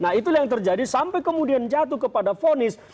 nah itu yang terjadi sampai kemudian jatuh kepada ponis